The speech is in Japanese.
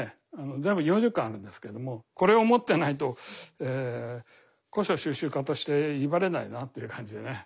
全部４０巻あるんですけどもこれを持ってないと古書蒐集家として威張れないなという感じでね。